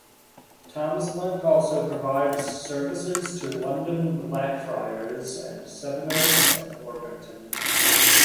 Thameslink also provides services to London Blackfriars and Sevenoaks and Orpington.